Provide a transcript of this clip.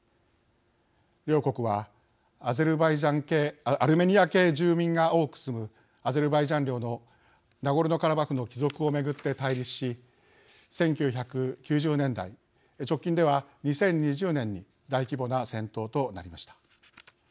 両国はアルメニア系住民が多く住むアゼルバイジャン領のナゴルノカラバフの帰属を巡って対立し１９９０年代直近では２０２０年に大規模な戦闘となりました。